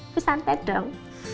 bu santai dong